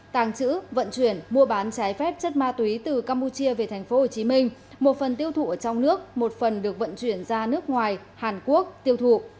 tàng trữ vận chuyển mua bán trái phép chất ma túy từ campuchia về tp hcm một phần tiêu thụ ở trong nước một phần được vận chuyển ra nước ngoài hàn quốc tiêu thụ